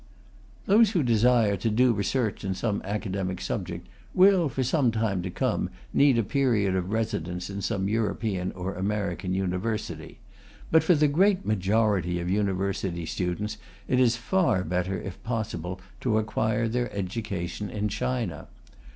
Those who desire to do research in some academic subject will, for some time to come, need a period of residence in some European or American university. But for the great majority of university students it is far better, if possible, to acquire their education in China.